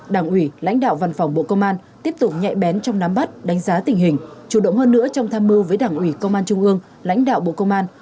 đảng ủy lãnh đạo văn phòng bộ công an tiếp tục nhạy bén trong nắm bắt đánh giá tình hình chủ động hơn nữa trong tham mưu với đảng ủy công an trung ương lãnh đạo bộ công an